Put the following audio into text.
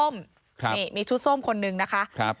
นี่มีชุดส้มคนนึงนะคะ